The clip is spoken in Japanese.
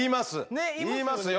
ねっ言いますよね。